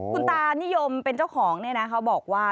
คุณตานิยมเป็นเจ้าของเนี่ยนะเขาบอกว่า